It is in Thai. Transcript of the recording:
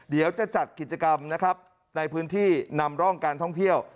เดี๋ยวจะจัดกิจกรรมนะครับในพื้นที่นำร่องการท่องเที่ยว